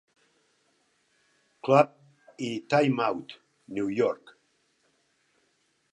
Club" i "Time Out" New York.